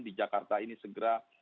di jakarta ini segera